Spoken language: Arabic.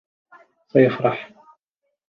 سيفرح.